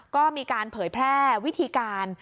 ก็มีการเผยแพร่วิธีการ